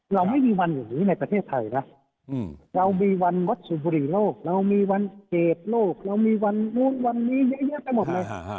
เราไม่มีวันอย่างนี้ในประเทศไทยนะเรามีวันวัดสูบบุรีโลกเรามีวันเกรดโลกเรามีวันนู้นวันนี้เยอะแยะไปหมดเลย